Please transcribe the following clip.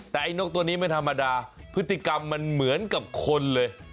แต่ไอ้นกตัวนี้ไม่ธรรมดาพฤติกรรมมันเหมือนกับคนเลย